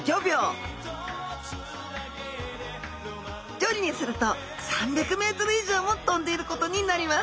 距離にすると３００メートル以上も飛んでいることになります。